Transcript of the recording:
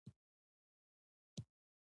هغه پنځوس میلیونه له اضافي ارزښت څخه اخلي